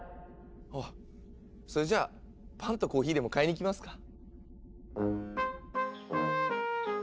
あそれじゃパンとコーヒーでも買いに行きますか。